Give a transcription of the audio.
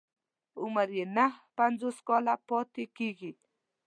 عمر يې نهه پنځوس کاله پاتې کېږي.